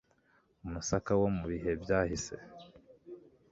umusaka wo mu bihe byahise